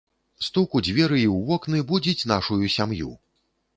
Стук у дзверы і ў вокны будзіць нашую сям'ю.